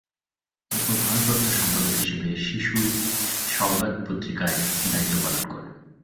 এরপর ভারপ্রাপ্ত সম্পাদক হিসেবে শিশু সওগাত পত্রিকায় দায়িত্ব পালন করেন।